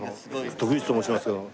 徳光と申しますけども。